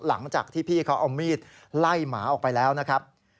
หลังจากที่พี่เขาเอามีดไล่หมาออกไปแล้วนะครับ